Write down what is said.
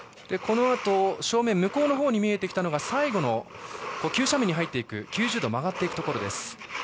このあと正面向こうに見えてきたのが最後の急斜面に入っていく９０度曲がっていくところです。